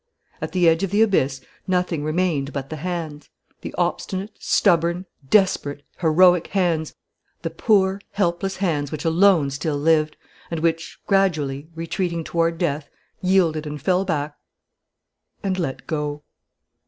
At the edge of the abyss nothing remained but the hands, the obstinate, stubborn, desperate, heroic hands, the poor, helpless hands which alone still lived, and which, gradually, retreating toward death, yielded and fell back and let go.